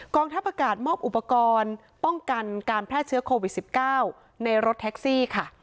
ทัพอากาศมอบอุปกรณ์ป้องกันการแพร่เชื้อโควิด๑๙ในรถแท็กซี่ค่ะ